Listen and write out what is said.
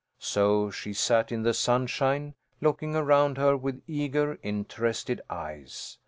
So she sat in the sunshine, looking around her with eager, interested eyes.